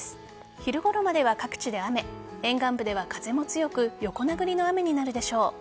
昼ごろまでは各地で雨沿岸部では風も強く横殴りの雨になるでしょう。